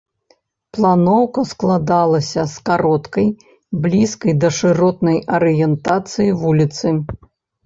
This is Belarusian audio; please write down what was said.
Планоўка складалася з кароткай, блізкай да шыротнай арыентацыі вуліцы.